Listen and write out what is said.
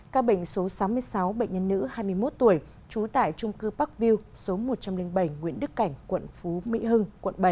các bệnh số sáu mươi sáu bệnh nhân nữ hai mươi một tuổi trú tại trung cư parkview số một trăm linh bảy nguyễn đức cảnh quận phú mỹ hưng